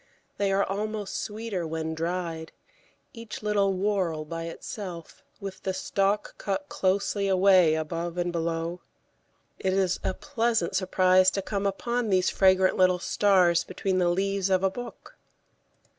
They are almost sweeter when dried, each little whorl by itself, with the stalk cut closely away above and below. It is a pleasant surprise to come upon these fragrant little stars between the leaves of a book.